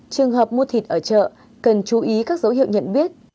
trường hợp mua thịt ở chợ cần chú ý các dấu hiệu nhận biết